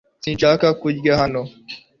Sinshaka kurya hano .